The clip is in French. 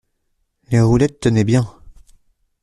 Les roulettes tenaient bien.